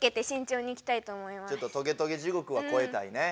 ちょっとトゲトゲ地獄はこえたいね。